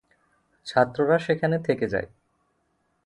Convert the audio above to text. ছাত্ররা সেখানে থেকে যায়।